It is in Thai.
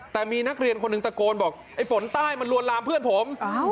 แต่มีนักเรียนคนหนึ่งตะโกนบอกไอ้ฝนใต้มันลวนลามเพื่อนผม